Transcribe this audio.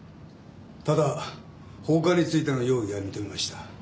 ただ放火についての容疑は認めました。